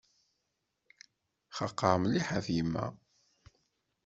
Xaqeɣ mliḥ ɣef yemma.